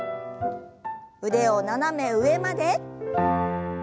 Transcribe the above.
腕を斜め上まで。